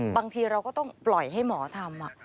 บางทีเราก็ต้องปล่อยให้หมอทำ